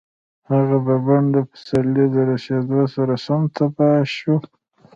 هغه بڼ د پسرلي د رسېدو سره سم تباه شو.